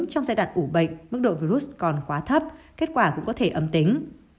trong giai đoạn ủ bệnh mức độ virus còn quá thấp kết quả cũng có thể âm tính